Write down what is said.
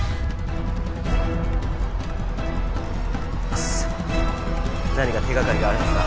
クソ何か手掛かりがあるはずだ。